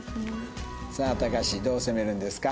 さあたかしどう攻めるんですか？